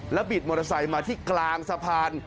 บิดมอเตอร์ไซค์มาที่กลางสะพาน